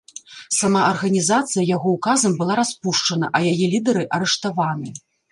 Сама арганізацыя яго ўказам была распушчана, а яе лідары арыштаваны.